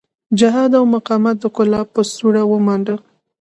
جهاد او مقاومت د کولاب په سوړه ومانډه.